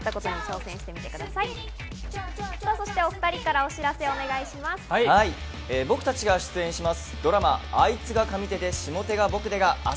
お２人からお知らせお願いします。